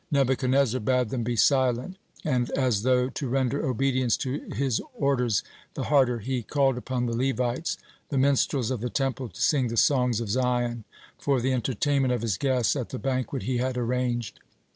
Nebuchadnezzar bade them be silent, and as though to render obedience to his orders the harder, he called upon the Levites, the minstrels of the Temple to sing the songs of Zion for the entertainment of his guests at the banquet he had arranged.